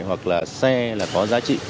hoặc là xe là có giá trị